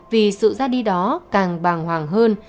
vì sự ra đi đó càng bằng hoàng hơn